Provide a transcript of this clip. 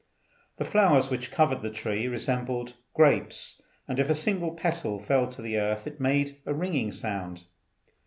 The flowers which covered the tree resembled grapes, and if a single petal fell to the earth it made a ringing sound.